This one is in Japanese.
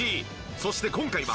そして今回は。